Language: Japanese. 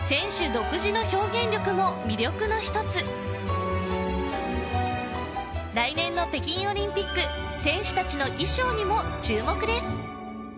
独自の表現力も魅力の一つ来年の北京オリンピック選手たちの衣装にも注目です